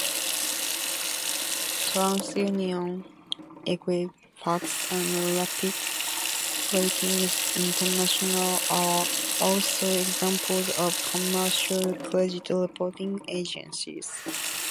TransUnion, Equifax, and Rapid Ratings International are also examples of commercial credit reporting agencies.